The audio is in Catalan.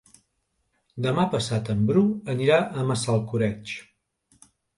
Demà passat en Bru anirà a Massalcoreig.